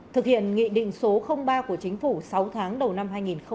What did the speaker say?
thực hiện nghị định số ba của chính phủ sáu tháng đầu năm hai nghìn hai mươi